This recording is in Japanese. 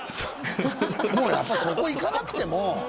もうやっぱそこいかなくても。